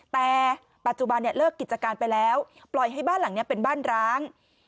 แต่ปัจจุบันเลิกกิจการไปแล้วปล่อยให้บ้านหลังนี้เป็นบ้านร้าง